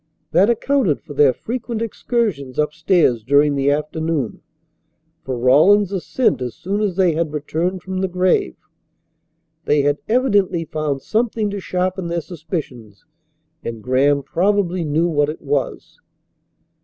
That accounted for their frequent excursions upstairs during the afternoon, for Rawlins's ascent as soon as they had returned from the grave. They had evidently found something to sharpen their suspicions, and Graham probably knew what it was.